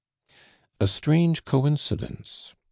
A strange coincidence!